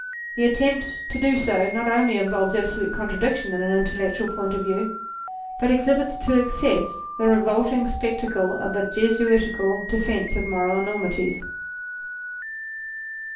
The attempt to do so not only involves absolute contradiction in an intellectual point of view but exhibits to excess the revolting spectacle of a Jesuitical defence of moral enormities.